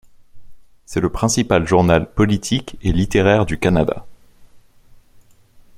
C'est le principal journal politique et littéraire du Canada.